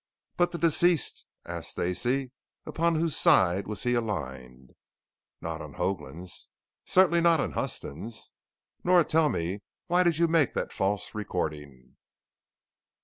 "But the deceased?" asked Stacey. "Upon whose side was he aligned?" "Not on Hoagland's." "Certainly not on Huston's." "Nora tell me why did you make that false recording?"